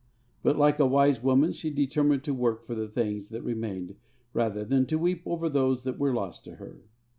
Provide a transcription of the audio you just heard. But, like a wise woman, she determined to work for the things that remained rather than to weep over those that were lost to her.